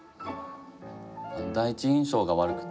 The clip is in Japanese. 第一印象が悪くて。